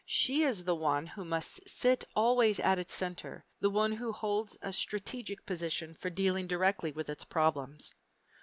She is the one who must sit always at its center, the one who holds a strategic position for dealing directly with its problems.